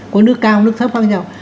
có nước cao nước thấp khác nhau